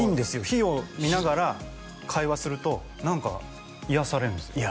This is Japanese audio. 火を見ながら会話すると何か癒やされるんですよ